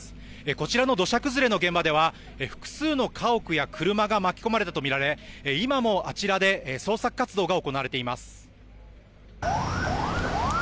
こちらの土砂崩れの現場では複数の家屋や車が巻き込まれたと見られ今も、あちらで捜索活動が行われています。